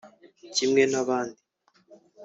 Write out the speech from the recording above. kimwe n’abandi